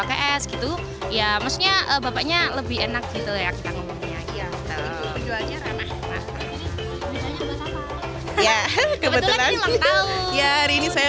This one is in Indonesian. ks gitu ya maksudnya bapaknya lebih enak gitu ya kita ngomongnya ya kebetulan ya hari ini saya